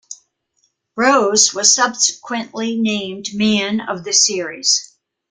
Rose was subsequently named Man-of-the-Series.